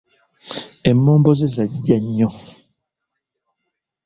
Emmombo ze zajja nnyo.